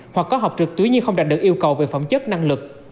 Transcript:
hoặc có học trực tuyến nhưng không đạt được yêu cầu về phẩm chất năng lực